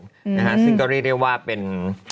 ซึ่งก็เรียกได้ว่าเป็น